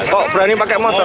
kok berani pakai motor